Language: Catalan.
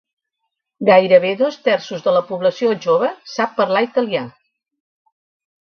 Gairebé dos terços de la població jove sap parlar italià.